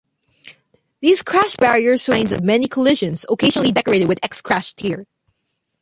These crash barriers show signs of many collisions, occasionally decorated with X crashed here!